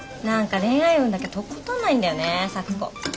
何か恋愛運だけとことんないんだよね咲子。